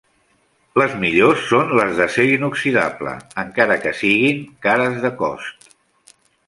Les millors són les d'acer inoxidable, encara que siguin cares de cost.